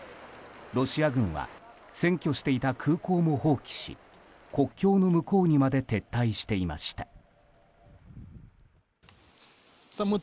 ロシア軍は占拠していた空港も放棄し国境の向こうにまで撤退していました。